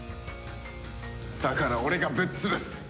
だから俺がぶっ潰す！